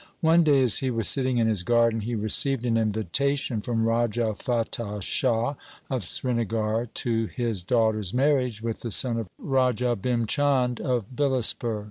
One day as he was sitting in his garden, he received an invitation 1 from Raja Fatah Shah of Srinagar to his daughter's marriage with the son of Raja Bhim Chand of Bilaspur.